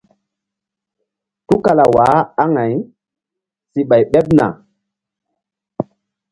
Tukala waah aŋay si ɓay ɓeɓ na.